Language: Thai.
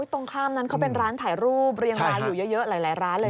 ตรงข้ามนั้นเขาเป็นร้านถ่ายรูปเรียงรายอยู่เยอะหลายร้านเลย